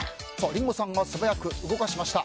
リンゴさんが素早く動かしました。